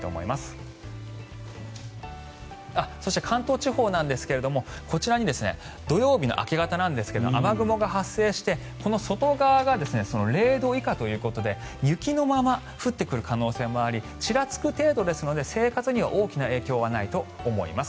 そして関東地方ですがこちらに土曜日の明け方ですが雨雲が発生してこの外側が０度以下ということで雪のまま降ってくる可能性もありちらつく程度ですので生活には大きな影響はないと思います。